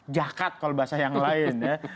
jakat kalau bahasa yang lain ya